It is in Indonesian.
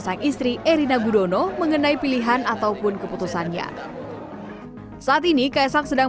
sang istri erina gudono mengenai pilihan ataupun keputusannya saat ini kaisang sedang